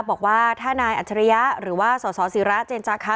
บอกว่าถ้านายอัจฉริยะหรือว่าสสิระเจนจาคะ